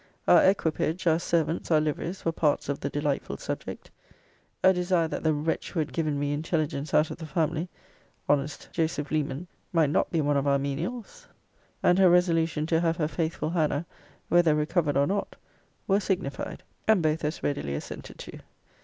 Our equipage, our servants, our liveries, were parts of the delightful subject. A desire that the wretch who had given me intelligence out of the family (honest Joseph Leman) might not be one of our menials; and her resolution to have her faithful Hannah, whether recovered or not; were signified; and both as readily assented to.